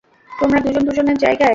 তোমরা দুজন দুজনের জায়গায়।